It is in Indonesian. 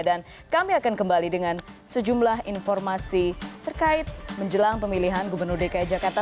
dan kami akan kembali dengan sejumlah informasi terkait menjelang pemilihan gubernur dki jakarta